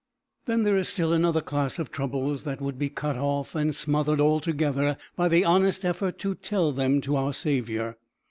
Then there is still another class of troubles that would be cut off and smothered altogether by the honest effort to tell them to our Saviour.